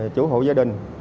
chủ hộ gia đình